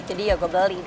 jadi ya gue beli deh